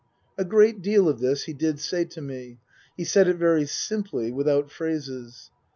A great deal of this he did say to me. He said it very simply, without phrases.